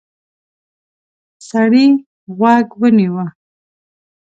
سړی غوږ ونیو.